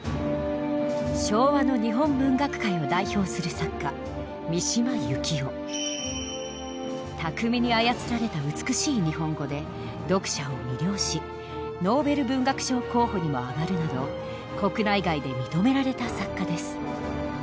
昭和の日本文学界を代表する巧みに操られた美しい日本語で読者を魅了しノーベル文学賞候補にも挙がるなど国内外で認められた作家です。